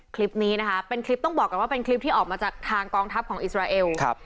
คลิปนี้นะคะเป็นคลิปต้องบอกก่อนว่าเป็นคลิปที่ออกมาจากทางกองทัพของอิสราเอลครับ